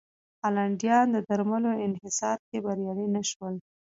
هالنډیان د درملو انحصار کې بریالي نه شول.